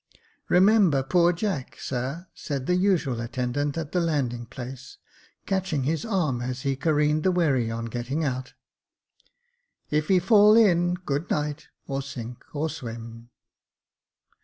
" Remember poor Jack, sir," said the usual attendant at the landing place, catching his arm as he careened the wherry on getting out. "If he fall in, good night — or sink or swim."